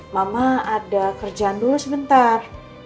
mama ada kerjaan dulu sebentar